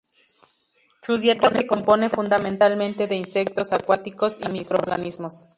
Su dieta se compone fundamentalmente de insectos acuáticos y microorganismos.